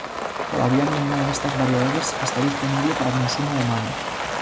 Todavía ninguna de estas variedades está disponible para consumo humano.